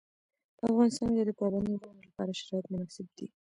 په افغانستان کې د پابندي غرونو لپاره شرایط مناسب دي.